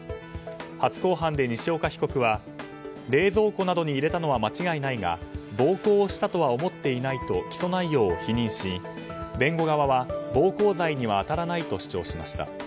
初公判で西岡被告は冷蔵庫などに入れたのは間違いないが暴行をしたとは思っていないと起訴内容を否認し弁護側は暴行罪には当たらないと主張しました。